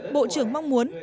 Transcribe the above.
bộ trưởng mong muốn